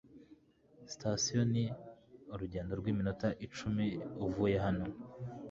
Sitasiyo ni urugendo rw'iminota icumi uvuye hano .